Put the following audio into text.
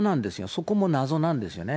そこも謎なんですよね。